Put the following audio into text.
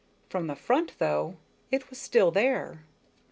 From the front, though, it was still there.